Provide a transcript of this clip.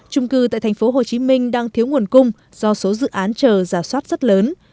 trung cư tại tp hcm đang thiếu nguồn cung do số dự án chờ giả soát rất lớn